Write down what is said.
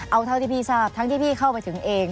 เอาเท่าที่พี่ทราบทั้งที่พี่เข้าไปถึงเอง